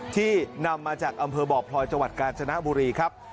ที่นำมาจากอำเภอบ่อพลอยจังหวัดกาญจนบุรีครับ